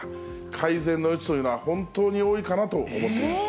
改善の余地というのは、本当に多いかなと思っている。